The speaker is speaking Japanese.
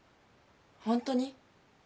ホントに？